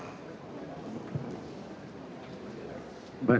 oh masih ada